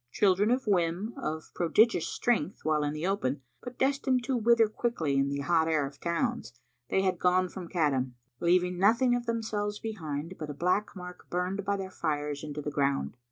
Children of whim, of pro digious strength while in the open, but destined to wither quickly in the hot air of towns, they had gone from Caddam, leaving nothing of themselves behind but a black mark burned by their fires into the ground.